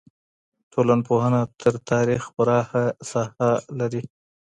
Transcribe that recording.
ټولنپوهنه تر تاریخ پراخه ساحه لري.